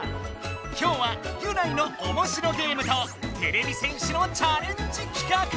きょうはギュナイのおもしろゲームとてれび戦士のチャレンジきかく！